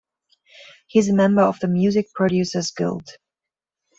He is a member of the Music Producers Guild.